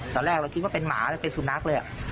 ตอนแรกเราคิดว่าเป็นหมาเป็นสุนัขเลย